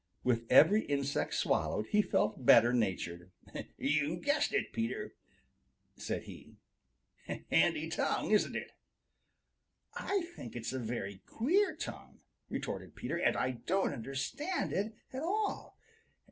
With every insect swallowed he felt better natured. "You've guessed it, Peter," said he. "Handy tongue, isn't it?" "I think it's a very queer tongue," retorted Peter, "and I don't understand it at all.